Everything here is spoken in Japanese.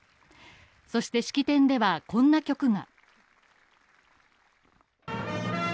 そして、式典ではこんな曲が。